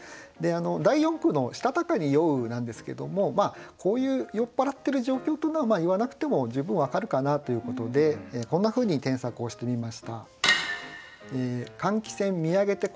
第四句の「したたかに酔う」なんですけどもこういう酔っ払ってる状況というのは言わなくても十分分かるかなということでこんなふうに添削をしてみました。